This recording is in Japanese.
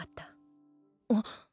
あっ！